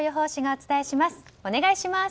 お願いします。